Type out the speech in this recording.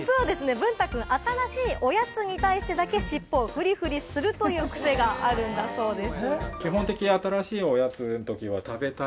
実はぶんた君、新しいおやつに対してだけ尻尾をフリフリするという癖があるんだそうです。